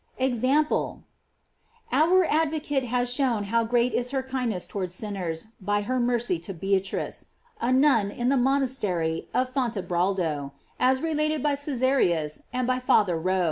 * EXAMPLE. Our advocate has shown how great is her kind ness towards sinners by her mercy to .Beatrice, a nun in the monastery of Fontebraldo, as relat ed by Cesariu8,f and by Father Rho.